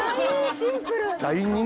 シンプル。